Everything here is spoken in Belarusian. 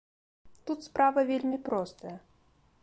Тут справа вельмі простая.